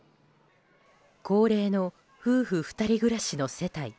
高齢の夫婦２人暮らしの世帯。